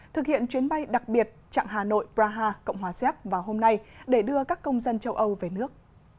thực hiện chuyến bay đặc biệt trạng hà nội praha cộng hòa xéc vào hôm nay để đưa các công dân châu âu về nước